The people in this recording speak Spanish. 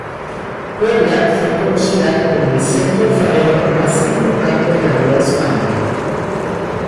Puebla fue conocida como el centro alfarero más importante de la Nueva España.